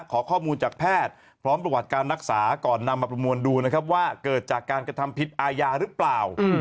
ขอข้อมูลจากแพทย์พร้อมประวัติการรักษาก่อนนำมาประมวลดูนะครับว่าเกิดจากการกระทำผิดอาญาหรือเปล่า